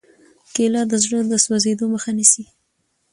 کېله د زړه د سوځېدو مخه نیسي.